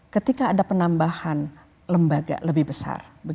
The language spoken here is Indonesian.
ketika ada penambahan lembaga lebih besar